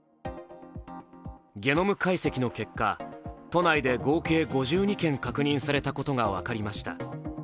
ゲノム解析の結果、都内で合計５２件確認されたことが分かりました。